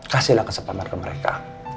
kasihlah kesepanan ke mereka